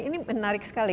ini menarik sekali